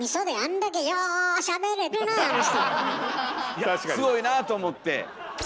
いやすごいなあと思って。